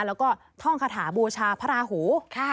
แล้วก็ท่องคาถาบูชาพระราหู